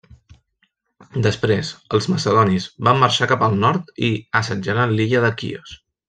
Després, els macedonis van marxar cap al nord i assetjaren l'illa de Quios.